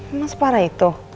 emang separah itu